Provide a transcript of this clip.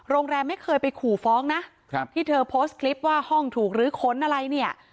โรงแรมไม่เคยไปขู่ฟ้องนะครับที่เธอโพสต์คลิปว่าห้องถูกลื้อค้นอะไรเนี่ย